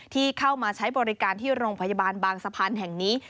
ที่เข้ามาใช้บริการที่โรงพยาบาลบางสะพานแห่งนี้